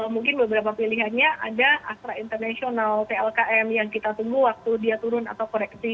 mungkin beberapa pilihannya ada astra international plkm yang kita tunggu waktu dia turun atau koreksi